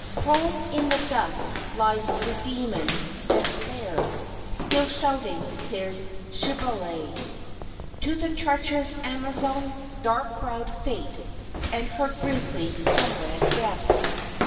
Prone in the dust lies the demon Despair, still shouting his shibboleth To the treacherous Amazon dark browed Fate, and her grisly comrade, Death.